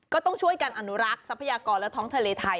ก็ต้องช่วยกันอนุรักษ์ทรัพยากรและท้องทะเลไทย